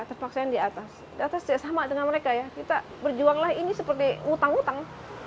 kita harus paksa yang di atas di atas tidak sama dengan mereka ya kita berjuanglah ini seperti utang utang